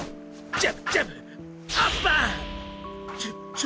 ジャブジャブ！